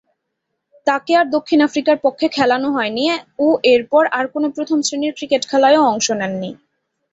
তাকে আর দক্ষিণ আফ্রিকার পক্ষে খেলানো হয়নি ও এরপর আর কোন প্রথম-শ্রেণীর ক্রিকেট খেলায়ও অংশ নেননি।